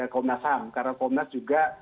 komnas ham karena komnas juga